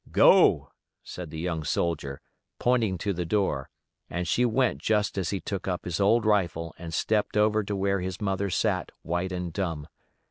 "Go," said the young soldier, pointing to the door, and she went just as he took up his old rifle and stepped over to where his mother sat white and dumb.